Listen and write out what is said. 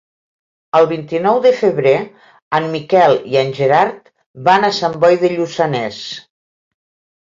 El vint-i-nou de febrer en Miquel i en Gerard van a Sant Boi de Lluçanès.